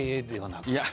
いや。